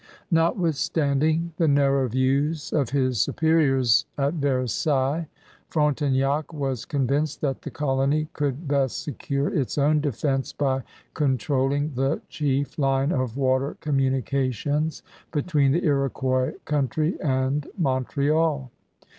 Notwithstanding the narrow views of his superi ors at Versailles, Frontenac was convinced that the colony could best seciu^ its own defense by controlling the chief line of water communications between the LxK^uois country and Montreal.